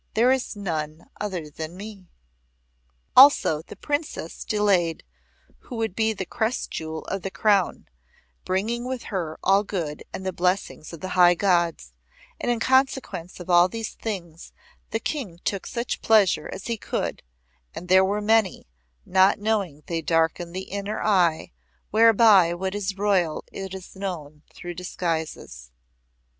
There is none other than me." Also the Princess delayed who would be the crest jewel of the crown, bringing with her all good and the blessing of the High Gods, and in consequence of all these things the King took such pleasures as he could, and they were many, not knowing they darken the inner eye whereby what is royal is known through disguises.